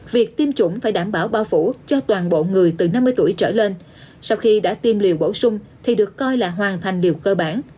việc tiêm chủng phải đảm bảo bao phủ cho toàn bộ người từ năm mươi tuổi trở lên sau khi đã tiêm liều bổ sung thì được coi là hoàn thành điều cơ bản